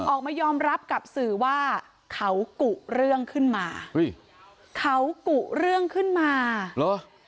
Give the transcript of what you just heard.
ออกมายอมรับกับสื่อว่าเขากุเรื่องขึ้นมาอุ้ยเขากุเรื่องขึ้นมาเหรอ